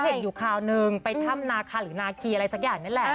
เห็นอยู่คราวนึงไปถ้ำนาคาหรือนาคีอะไรสักอย่างนี่แหละ